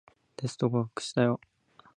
テスト合格したよ